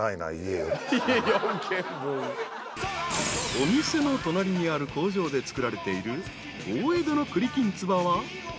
［お店の隣にある工場で作られている大江戸の栗きんつばは］